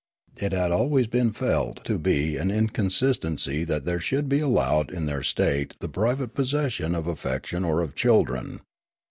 It had always been felt to be an inconsist 156 Paallaro ency that there should be allowed in their state the private possession of affection or of children.